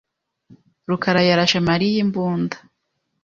rukarayarashe Mariya imbunda.